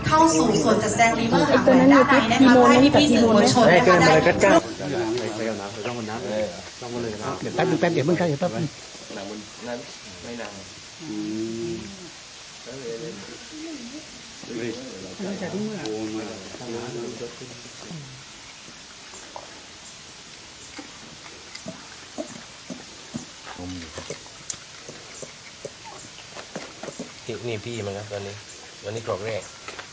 อันนี้กรอกแรก